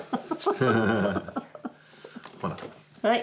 はい。